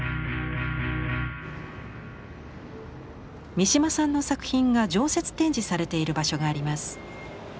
三島さんの作品が常設展示されている場所があります。